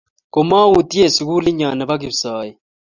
komautye sugulinyo nebo kipsoen